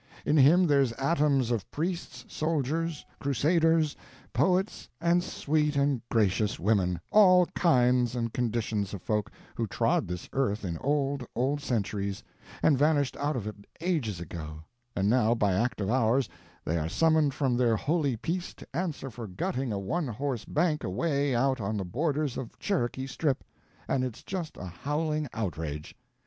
In him there's atoms of priests, soldiers, crusaders, poets, and sweet and gracious women—all kinds and conditions of folk who trod this earth in old, old centuries, and vanished out of it ages ago, and now by act of ours they are summoned from their holy peace to answer for gutting a one horse bank away out on the borders of Cherokee Strip, and it's just a howling outrage!"